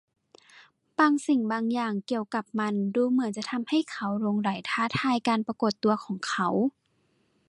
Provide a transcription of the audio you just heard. บางสิ่งบางอย่างเกี่ยวกับมันดูเหมือนจะทำให้เขาหลงใหลท้าทายการปรากฏตัวของเขา